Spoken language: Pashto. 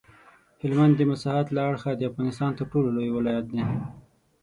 هلمند د مساحت له اړخه د افغانستان تر ټولو لوی ولایت دی.